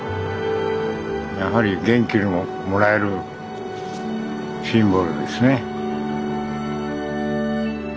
やはり元気をもらえるシンボルですね。